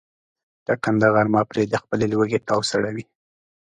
ټکنده غرمه پرې د خپلې لوږې تاو سړوي.